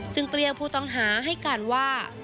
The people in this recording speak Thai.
ซึ่งเปรี้ยวผู้ต้องหาให้การว่า